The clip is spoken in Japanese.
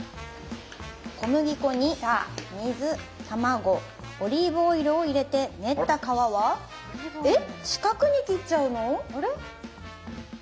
小麦粉に水卵オリーブオイルを入れて練った皮はえっ四角に切っちゃうの？